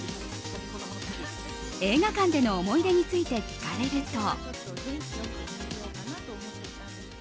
映画館での思い出について聞かれると。